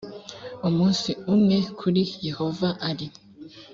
umunsi umwe kuri yehova ari